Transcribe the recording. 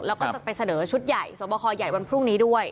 แล้วก็จะไปเสนอชุดใหญ่สวบคอใหญ่วันพรุ่งนี้ด้วย